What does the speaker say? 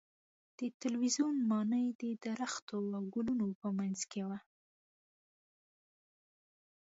د تلویزیون ماڼۍ د درختو او ګلونو په منځ کې وه.